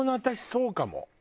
私そうかも。